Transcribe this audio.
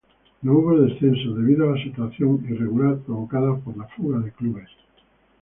No hubo descensos, debido a la situación irregular provocada por la "fuga" de clubes.